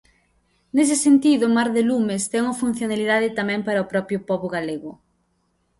Nese sentido Mar de Lumes ten unha funcionalidade tamén para o propio pobo galego.